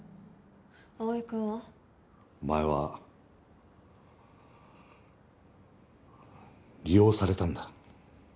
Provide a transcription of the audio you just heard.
蒼くんは？お前は利用されたんだ。